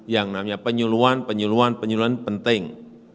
yang namanya penyuluhan penyuluan penyuluan penting